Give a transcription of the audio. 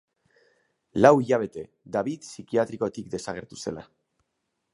Lau hilabete, David psikiatrikotik desagertu zela.